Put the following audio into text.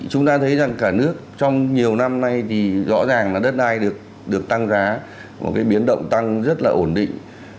chúng ta thấy rằng cả nước trong nhiều năm nay thì rõ ràng là đất đai được tăng giá một cái biến động tăng rất là ổn định